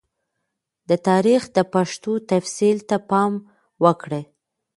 د تاریخ د پیښو تفصیل ته پام وکړئ.